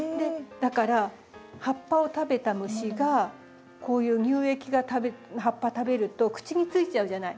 だから葉っぱを食べた虫がこういう乳液が葉っぱ食べると口についちゃうじゃない。